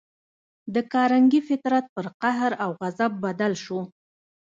د کارنګي فطرت پر قهر او غضب بدل شو